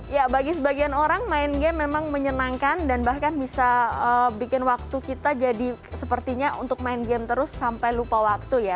ya bagi sebagian orang main game memang menyenangkan dan bahkan bisa bikin waktu kita jadi sepertinya untuk main game terus sampai lupa waktu ya